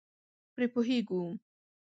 پرې پوهېږو.